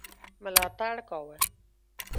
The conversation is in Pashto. ملاتړ کاوه.